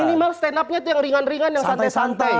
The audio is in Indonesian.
minimal stand up nya itu yang ringan ringan yang santai santai